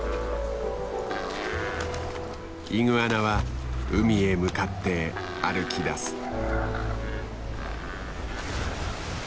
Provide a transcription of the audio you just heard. イグアナは海へ向かって歩きだす。